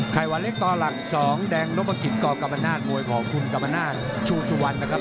วันเล็กต่อหลัก๒แดงนพกิจกกรรมนาศมวยของคุณกรรมนาศชูสุวรรณนะครับ